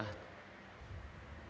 saya pribadi dan keluarga